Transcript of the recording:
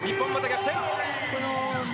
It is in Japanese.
日本、また逆転。